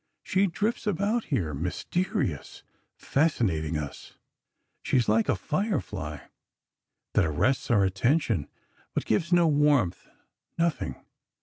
She drifts about here, mysterious, fascinating us.... She is like a firefly, that arrests our attention, but gives no warmth, nothing...."